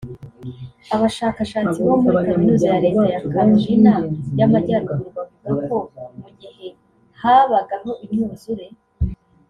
Abashakashatsi bo muri Kaminuza ya Leta ya Carolina y’Amajyaruguru bavuga ko mu gihe habagaho imyuzure